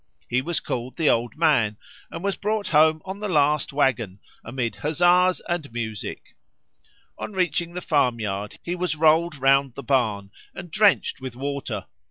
He was called the Old Man, and was brought home on the last waggon, amid huzzas and music. On reaching the farmyard he was rolled round the barn and drenched with water.